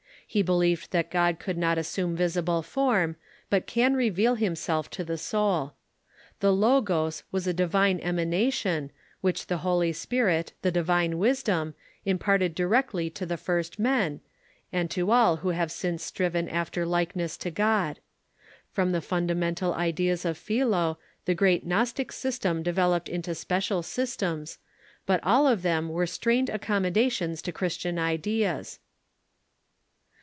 He believed that God could not assume visible form, but can reveal himself to the soul. The Logos is a divine emanation, which the Holy Spirit, the Divine Wisdom, imparted directly to the first men, and to all who have since striven after likeness to God. From the fundamental ideas of Philo the great Gnostic system de veloped into special systems, but all of them were strained accommodations to Christian ideas.